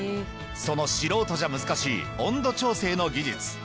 その素人じゃ難しい温度調整の技術